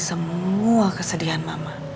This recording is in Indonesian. semua kesedihan mama